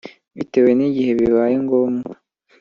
Bitewe nigihe bibaye ngombwa